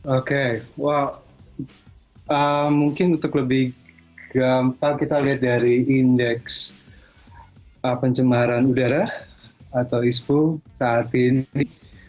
oke mungkin untuk lebih gampang kita lihat dari indeks pencemaran udara atau ispu saat ini